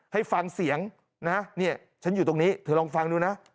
ให้ฟังเสียงนะเนี่ยฉันอยู่ตรงนี้เธอลองฟังดูนะ